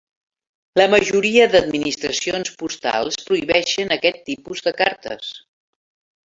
La majoria d'administracions postals prohibeixen aquest tipus de cartes.